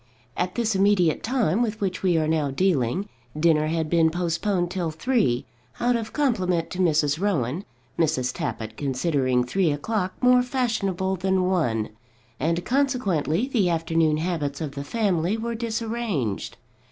At this immediate time with which we are now dealing, dinner had been postponed till three, out of compliment to Mrs. Rowan, Mrs. Tappitt considering three o'clock more fashionable than one; and consequently the afternoon habits of the family were disarranged.